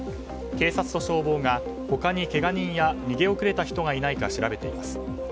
警察と消防が他にけが人や逃げ遅れた人がいないか調べています。